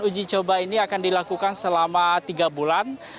uji coba ini akan dilakukan selama tiga bulan